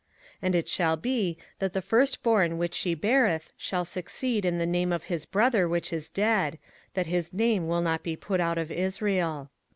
05:025:006 And it shall be, that the firstborn which she beareth shall succeed in the name of his brother which is dead, that his name be not put out of Israel.